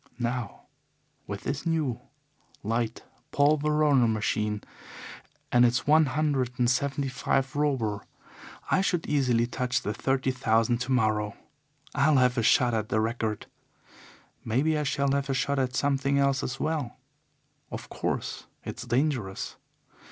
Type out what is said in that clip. Now, with this new, light Paul Veroner machine and its one hundred and seventy five Robur, I should easily touch the thirty thousand tomorrow. I'll have a shot at the record. Maybe I shall have a shot at something else as well. Of course, it's dangerous.